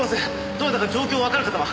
どなたか状況がわかる方は？